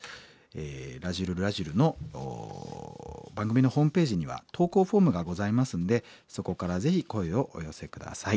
「らじる★らじる」の番組のホームページには投稿フォームがございますんでそこからぜひ声をお寄せ下さい。